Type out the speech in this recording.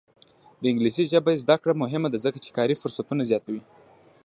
د انګلیسي ژبې زده کړه مهمه ده ځکه چې کاري فرصتونه زیاتوي.